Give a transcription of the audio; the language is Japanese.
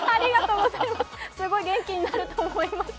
すごい元気になると思います。